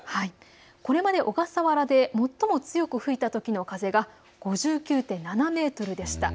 これまで小笠原で最も強く吹いたときの風が５９．７メートルでした。